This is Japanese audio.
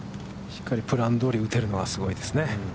しっかりプランどおり打てるのはすばらしいですね。